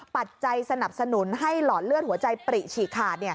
ปัจจัยสนับสนุนให้หลอดเลือดหัวใจปริฉีกขาด